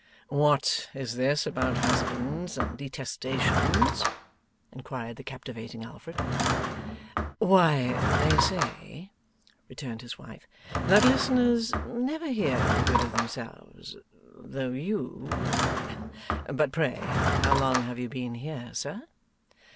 'What is this about husbands and detestations?' inquired the captivating Alfred. 'Why, they say,' returned his wife, 'that listeners never hear any good of themselves; though you but pray how long have you been here, sir?